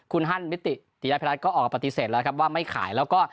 คุณฮันมิติติยพิรัฐก็ออกมาปฏิเสธแล้วครับว่าไม่ขายแล้วก็